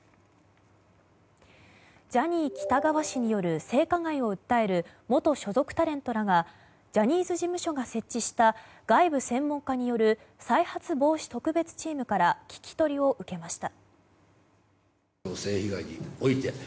ジャニー喜多川氏による性加害を訴える元所属タレントらがジャニーズ事務所が設置した外部専門家による再発防止特別チームから聞き取りを受けました。